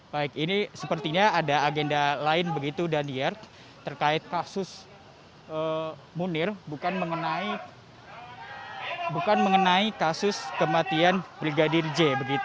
baik ini sepertinya ada agenda lain begitu daniar terkait kasus munir bukan mengenai kasus kematian brigadir j